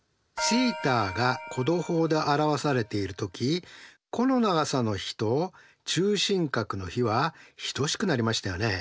θが弧度法で表されている時弧の長さの比と中心角の比は等しくなりましたよね。